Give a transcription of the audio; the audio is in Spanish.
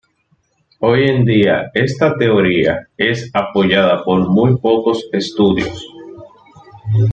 Hoy en día esta teoría es apoyada por muy pocos estudios.